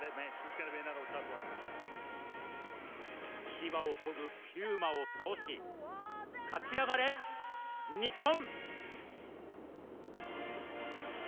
牙を研ぐピューマを倒し勝ち上がれ、日本。